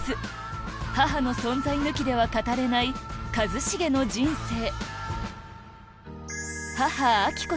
母の存在抜きでは語れない一茂の人生